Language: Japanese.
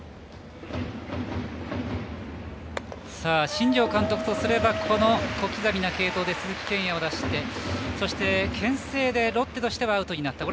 新庄監督とすれば小刻みな継投で鈴木健矢を出してけん制でロッテとしてはアウトになった。